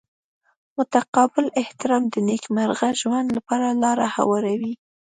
متقابل احترام د نیکمرغه ژوند لپاره لاره هواروي.